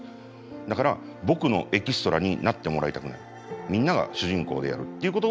だから僕のエキストラになってもらいたくない。